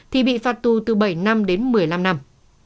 thì bị phạt tù từ bảy năm đến một mươi năm năm